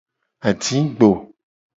Adigbo.